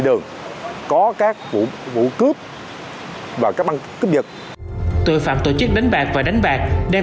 đường có các vụ cướp và các băng cướp giật tội phạm tổ chức đánh bạc và đánh bạc đang